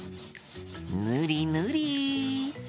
ぬりぬり。